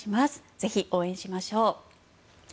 ぜひ応援しましょう。